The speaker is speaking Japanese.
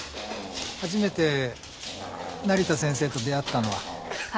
初めて成田先生と出会ったのは。